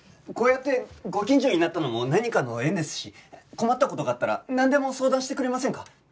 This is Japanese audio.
こうやってご近所になったのも何かの縁ですし困った事があったらなんでも相談してくれませんか？